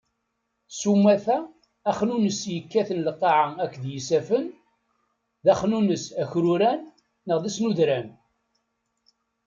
Sumata, axnunnes i yekkaten lqaεa akked yisaffen, d axnunnes akruran neɣ d asnudran.